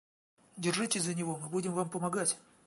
Держитесь за него, мы будем вам помогать.